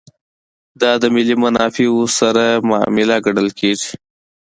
دا د ملي منافعو سره معامله ګڼل کېږي.